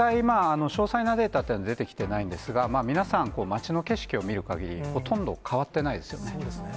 実際、詳細なデータというのは出てきてないんですが、皆さん、街の景色を見るかぎり、ほとんど変わってないですよね。